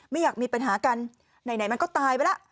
ไม่อยากมีปัญหากันไหนมันก็ตายไปแล้ว